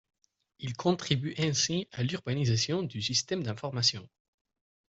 Il contribue ainsi à l'urbanisation du Système d'Information.